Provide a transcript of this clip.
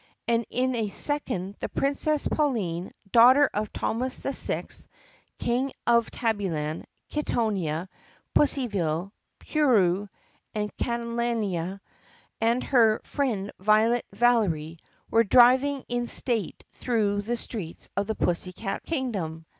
and in a second the Princess Pauline, daughter of Thomas VI, King of Tabbyland, Kittonia, Pussyville, Purru, and Catlanta, and her friend Violet Valery were driving in state through the streets of the pussycat kingdom.